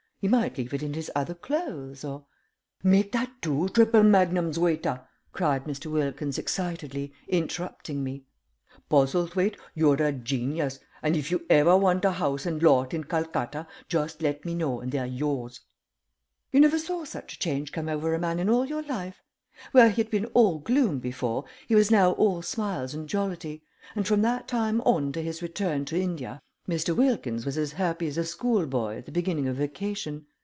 He might leave it in his other clothes, or " "Make that two triple magnums, waiter," cried Mr. Wilkins, excitedly, interrupting me. "Postlethwaite, you're a genius, and if you ever want a house and lot in Calcutta, just let me know and they're yours." You never saw such a change come over a man in all your life. Where he had been all gloom before, he was now all smiles and jollity, and from that time on to his return to India Mr. Wilkins was as happy as a school boy at the beginning of vacation.